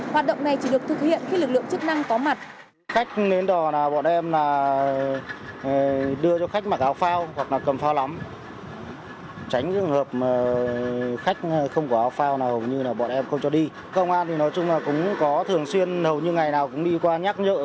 hoạt động này chỉ được thực hiện khi lực lượng chức năng có mặt